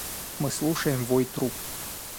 Мы слушаем вой труб.